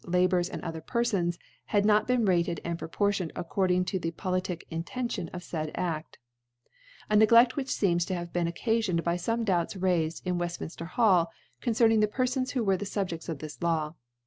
E 5 JLa < 82 ) f Labourers, and other Pcrfixis, had not f been rated and proportioned according td» ♦ the politic Intention of the faid Aft */ A Negieft which feems to have been occa fioned by fome Doubts raifed in IFefiminfter^ ' hally concerning the Perfons who were the Subjefts of this Law.